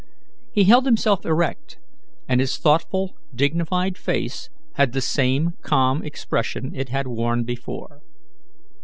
He held himself erect, and his thoughtful, dignified face had the same calm expression it had worn before.